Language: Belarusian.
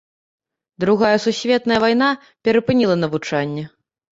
Другая сусветная вайна перапыніла навучанне.